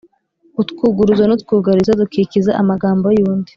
utwuguruzo n‟utwugarizo : dukikiza amagambo y‟undi